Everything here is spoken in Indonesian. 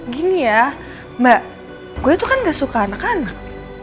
gini ya mbak gue itu kan gak suka anak anak